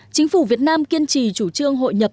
chính phủ việt nam kiên trì chủ trương hội nhập